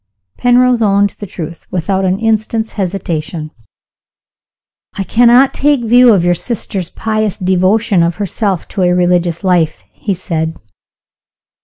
Penrose owned the truth, without an instant's hesitation. "I cannot take your view of your sister's pious devotion of herself to a religious life," he said.